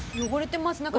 汚れてます。